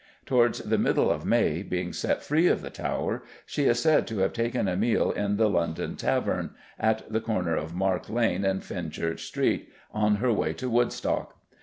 Towards the middle of May, being set free of the Tower, she is said to have taken a meal in the London Tavern at the corner of Mark Lane and Fenchurch Street on her way to Woodstock.